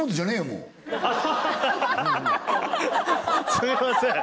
もうすいません